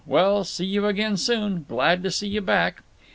Well, see you again soon. Glad see you back."